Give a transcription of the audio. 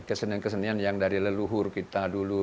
kesenian kesenian yang dari leluhur kita dulu